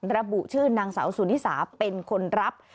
ระบุชื่อนางสาวสุนิสาเป็นคนรับ